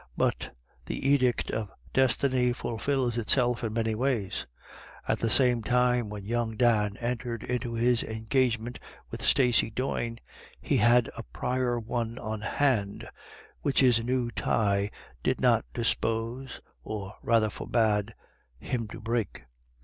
But the edict of destiny fulfils itself in many ways. At the time when young Dan entered into his engagement with Stacey Doyne, he had a prior one on hand, which his new tie did not dis pose, or rather forbade, him to break.